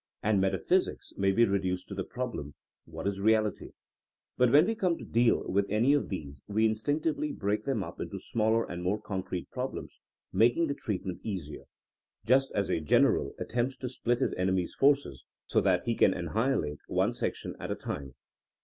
^', and metaphysics may be reduced to the problem What is reality f But when we come to deal with any of these we instinctively break them up into smaller and more concrete problems, making the treatment easier, just as a general attempts to split his enemy's forces, so that he can annihilate one section at a time.